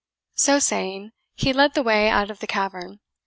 So saying, he led the way out of the cavern.